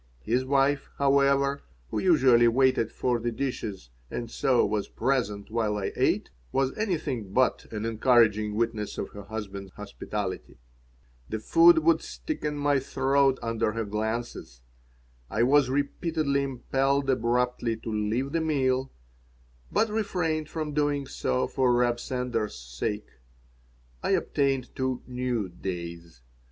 His wife, however, who usually waited for the dishes and so was present while I ate, was anything but an encouraging witness of her husband's hospitality. The food would stick in my throat under her glances. I was repeatedly impelled abruptly to leave the meal, but refrained from doing so for Reb Sender's sake. I obtained two new "days."